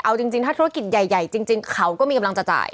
เอาจริงถ้าธุรกิจใหญ่จริงเขาก็มีกำลังจะจ่าย